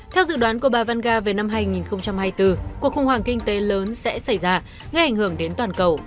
theo dự đoán của bà vanga về năm hai nghìn hai mươi bốn cuộc khủng hoảng kinh tế lớn sẽ xảy ra gây ảnh hưởng đến toàn cầu